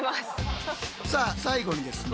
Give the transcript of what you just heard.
さあ最後にですね